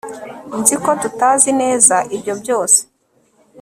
Nzi ko tutazi neza ibyo byose